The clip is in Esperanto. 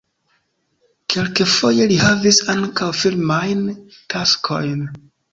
Kelkfoje li havis ankaŭ filmajn taskojn.